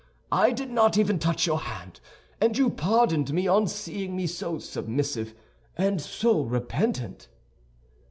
I did not even touch your hand, and you pardoned me on seeing me so submissive and so repentant."